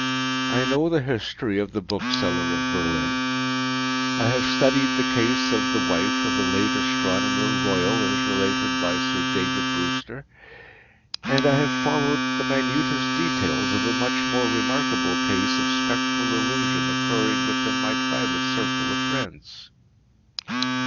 I know the history of the Bookseller of Berlin, I have studied the case of the wife of a late Astronomer Royal as related by Sir David Brewster, and I have followed the minutest details of a much more remarkable case of Spectral Illusion occurring within my private circle of friends.